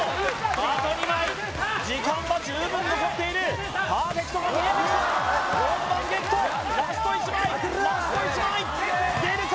あと２枚時間は十分残っているパーフェクトが見えてきた４番ゲットラスト１枚ラスト１枚出るか？